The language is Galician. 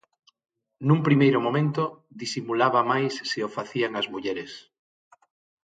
Nun primeiro momento, 'disimulaba' máis se o facían as mulleres.